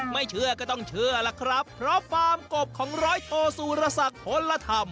ไม่เชื่อก็ต้องเชื่อล่ะครับเพราะฟาร์มกบของร้อยโทสุรศักดิ์ผลธรรม